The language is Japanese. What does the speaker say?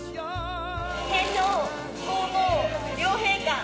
天皇皇后両陛下